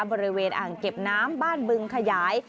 บริเวณอ่างเก็บน้ำบ้านบึงขยาย